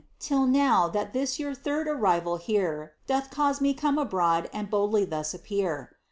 Till now that this your third arrival here. Doth cause me come abroad and boldly thus appear.